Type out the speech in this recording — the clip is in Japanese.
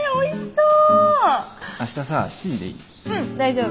うん大丈夫。